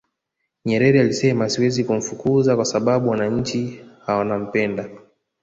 nyerere alisema siwezi kumfukuza kwa sababu wananchi wanampenda